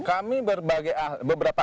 kami berbagai ahli beberapa